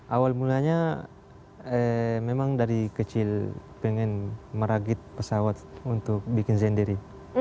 awal mulanya memang dari kecil pengen meragit pesawat untuk bikin sendiri